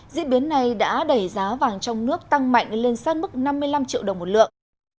diễn biến này đã đẩy giá vàng trong nước tăng mạnh lên sát mức năm mươi năm triệu đồng một lượng